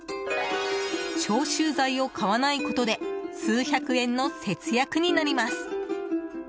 消臭剤を買わないことで数百円の節約になります。